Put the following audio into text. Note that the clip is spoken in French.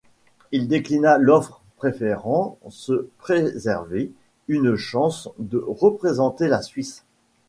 Il déclina l'offre, préférant se préserver une chance de représenter la Suisse.